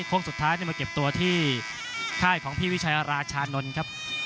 โค้งสุดท้ายมาเก็บตัวที่ค่ายของพี่วิชัยราชานนท์ครับ